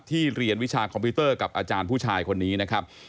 เรียนวิชาคอมพิวเตอร์กับอาจารย์ผู้ชายคนนี้นะครับ